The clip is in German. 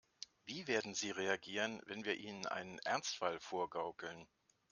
Wie werden sie reagieren, wenn wir ihnen einen Ernstfall vorgaukeln?